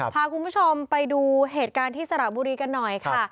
พาคุณผู้ชมไปดูเหตุการณ์ที่สระบุรีกันหน่อยค่ะ